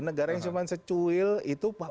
negara yang cuma secuil itu